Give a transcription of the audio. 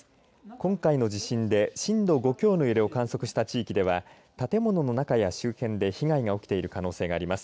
今回の地震で震度５強の揺れを観測した地域では建物の中や周辺で被害が起きている可能性があります。